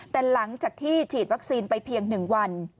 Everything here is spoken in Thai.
แต่หลังจากที่ฉีดวัคซีนไปเพียง๑วัน